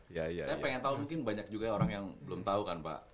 saya pengen tahu mungkin banyak juga orang yang belum tahu kan pak